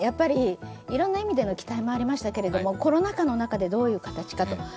いろいろな意味での期待もありましたけれどもコロナ禍の中でどういう形かと。